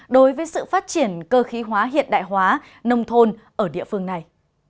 đối với sự phát triển cơ khí hóa hiện đại hóa nông thôn ở địa phương này